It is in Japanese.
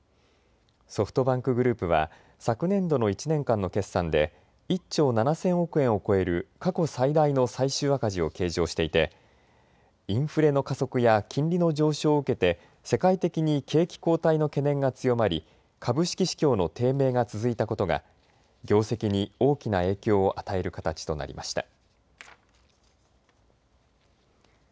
ソフトバンクグループは昨年度の１年間の決算で１兆７０００億円を超える過去最大の最終赤字を計上していてインフレの加速や金利の上昇を受けて世界的に景気後退の懸念が強まり株式市況の低迷が続いたことが業績に大きな影響を与える形となりました。